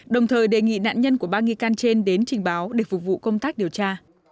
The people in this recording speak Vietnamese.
đồng thời đề nghị nạn nhân của ba nghi can trên đến trình báo để phục vụ công tác điều tra